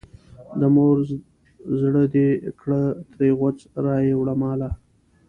د مور زړه دې کړه ترې غوڅ رایې وړه ماله.